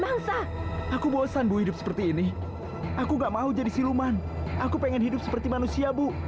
aku gak mau jadi siluman aku pengen hidup seperti manusia bu